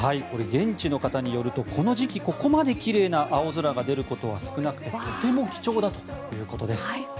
現地の方によるとこの時期、ここまで奇麗な青空が出ることは少なくてとても貴重だということです。